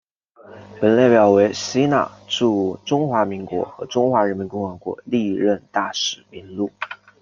本列表为希腊驻中华民国和中华人民共和国历任大使名录。